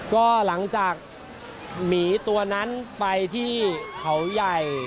ก็หลังจากหมีตัวนั้นไปที่เขาใหญ่